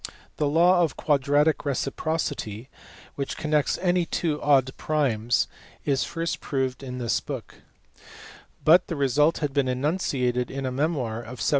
The law of quadratic reciprocity, which connects any two LEGENDRE. 429 odd primes is first proved in this book, but the result had been enunciated in a memoir of 1785.